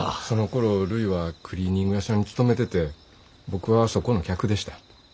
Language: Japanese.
そのころるいはクリーニング屋さんに勤めてて僕はそこの客でした。